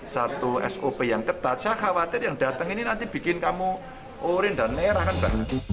satu sop yang ketat saya khawatir yang datang ini nanti bikin kamu orange dan merah kan juga